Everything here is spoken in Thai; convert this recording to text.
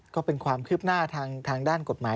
ก็เป็นความคืบหน้าทางด้านกฎหมาย